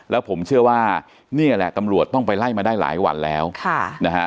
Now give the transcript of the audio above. แล้วผมเชื่อว่านี่แหละตำรวจต้องไปไล่มาได้หลายวันแล้วค่ะนะฮะ